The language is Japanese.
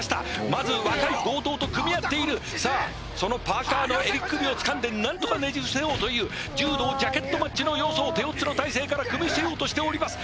まず若い強盗と組み合っているさあそのパーカーの襟首をつかんで何とかねじ伏せようという柔道ジャケットマッチの様相手四つの体勢から組み伏せようとしております